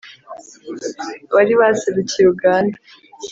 abari baserukiye uganda.